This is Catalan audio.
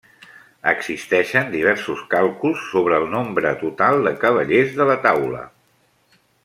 Existeixen diversos càlculs sobre el nombre total de cavallers de la Taula.